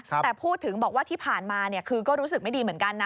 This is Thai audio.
แต่พูดถึงบอกว่าที่ผ่านมาคือก็รู้สึกไม่ดีเหมือนกันนะ